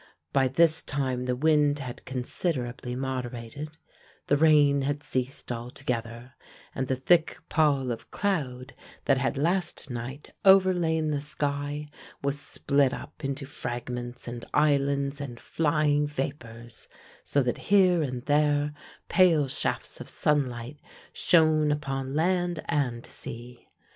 By this time the wind had considerably moderated, the rain had ceased altogether, and the thick pall of cloud that had last night overlain the sky was split up into fragments and islands, and flying vapors, so that here and there pale shafts of sunlight shone upon land and sea.